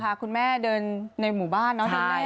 พาคุณแม่เดินในหมู่บ้านเนอะ